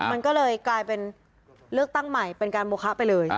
มันก็เลยกลายเป็นเลือกตั้งใหม่เป็นการโมคะไปเลย